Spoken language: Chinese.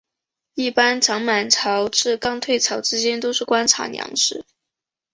一般涨满潮至刚退潮之间是观察良时。